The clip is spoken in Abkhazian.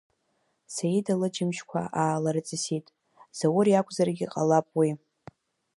Саида лыџьымшьқәа аалырҵысит, Заур иакәзаргьы ҟалап уи?